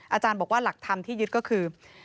อาจารย์บอกว่าหลักธรรมที่ยึดก็คือ